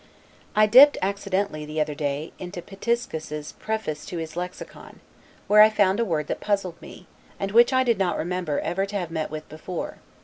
I dipped accidentally, the other day, into Pitiscus's preface to his "Lexicon," where I found a word that puzzled me, and which I did not remember ever to have met with before.